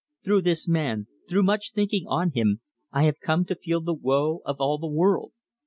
Through this man, through much thinking on him, I have come to feel the woe of all the world.